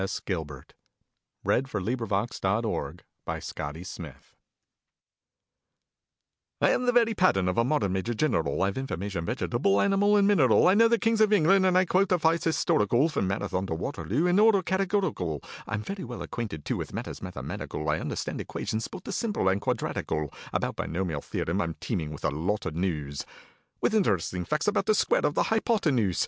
W.S. Gilbert The Major General from Pirates of Penzance I am the very pattern of a modern Major Gineral, I've information vegetable, animal, and mineral; I know the kings of England, and I quote the fights historical, From Marathon to Waterloo, in order categorical; I'm very well acquainted, too, with matters mathematical, I understand equations, both the simple and quadratical; About binomial theorem I'm teeming with a lot o' news, With interesting facts about the square of the hypotenuse.